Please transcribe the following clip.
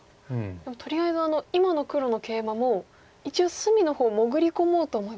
とりあえず今の黒のケイマも一応隅の方潜り込もうと思えば潜り込めた。